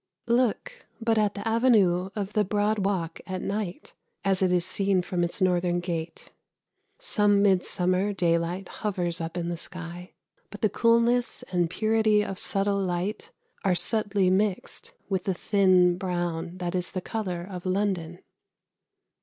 Look but at the avenue of the Broad Walk at night, as it is seen from its northern gate. Some midsummer daylight hovers up the sky, but the coolness and purity of subtle light are subtly mixed with the thin brown that is the colour of London.